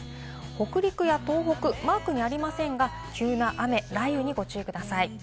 北陸や東北、マークにありませんが、急な雨、雷雨にご注意ください。